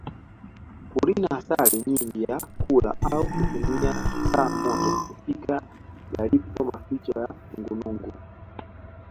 Kurina asali nyingi ya kula au kutumia saa moja kufika yalipo maficho ya nungunungu